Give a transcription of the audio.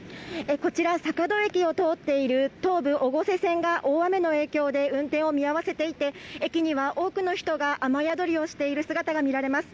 こちら、坂戸駅を通っている東武越生線が大雨の影響で運転を見合わせていて駅には多くの人が雨宿りをしている姿がみられます。